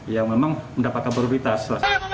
ya memang mendapatkan prioritas